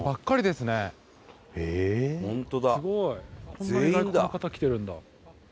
こんなに外国の方来てるんだ。